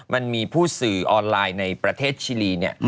มันมีผู้สื่อออนไลน์ในประเทศชิลีเนี่ย